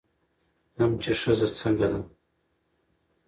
هم چې ښځه څنګه ده